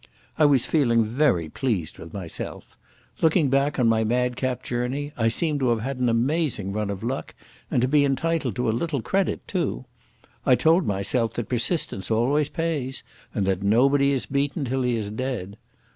I was feeling very pleased with myself. Looking back on my madcap journey, I seemed to have had an amazing run of luck and to be entitled to a little credit too. I told myself that persistence always pays and that nobody is beaten till he is dead.